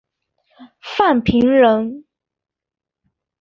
范平人。